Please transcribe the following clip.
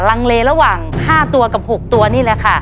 ลังเลระหว่าง๕ตัวกับ๖ตัวนี่แหละค่ะ